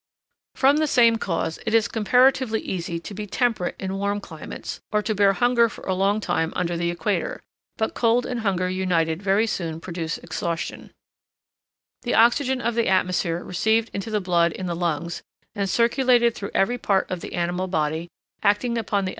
From the same cause it is comparatively easy to be temperate in warm climates, or to bear hunger for a long time under the equator; but cold and hunger united very soon produce exhaustion. The oxygen of the atmosphere received into the blood in the lungs, and circulated throughout every part of the animal body, acting upon the elements of the food, is the source of animal heat.